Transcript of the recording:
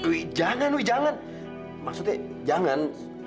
wih jangan we jangan maksudnya jangan